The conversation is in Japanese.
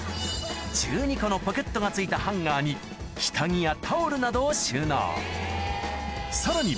１２個のポケットが付いたハンガーに下着やタオルなどを収納さらに